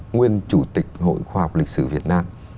nguyên chủ tịch hội khoa học lịch sử việt nam